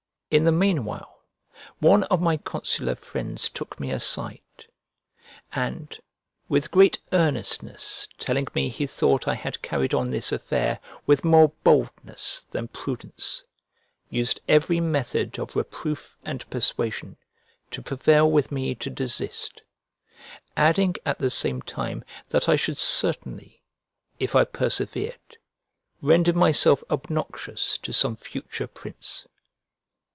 In the meanwhile, one of my consular friends took me aside, and, with great earnestness telling me he thought I had carried on this affair with more boldness than prudence, used every method of reproof and persuasion to prevail with me to desist; adding at the same time that I should certainly, if I persevered, render myself obnoxious to some future prince.